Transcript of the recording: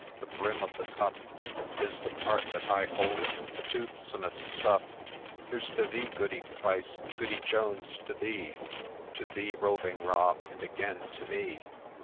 — the brim of the cup Is the part that ay holdeth the toothsomest sup ! Here 's to thee, Goody Price !— Goody Jones, to thee !— To thee, Roving Rob ! and again to me